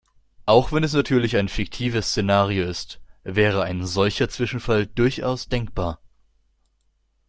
Auch wenn es natürlich ein fiktives Szenario ist, wäre ein solcher Zwischenfall durchaus denkbar.